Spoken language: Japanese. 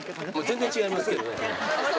全然違いますけどね。